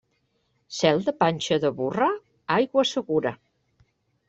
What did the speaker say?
Cel de panxa de burra? Aigua segura.